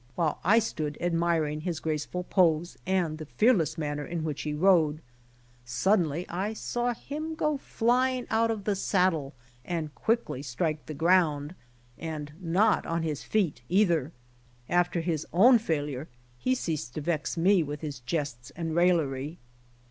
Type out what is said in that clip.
While I stood admiring his graceful pose and tha fearless manner in which he rode, suddenly I saw him go flying out of the saddle and quickly strike the ground, and not on his feet either. After his own failure, he ceased to vex me mth his jests and raillery.